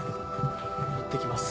いってきます。